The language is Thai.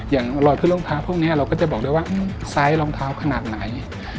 อย่างรอยขึ้นรองเท้าพวกนี้เราก็จะบอกด้วยว่าไซส์รองเท้าขนาดไหน